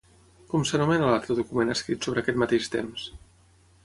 Com s'anomena l'altre document escrit sobre aquest mateix temps?